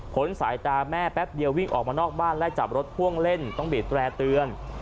สายตาแม่แป๊บเดียววิ่งออกมานอกบ้านและจับรถพ่วงเล่นต้องบีดแร่เตือน